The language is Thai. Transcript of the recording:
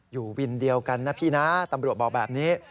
อยู่วินเดียวกันนะพี่นะตำรวจบอกแบบนี้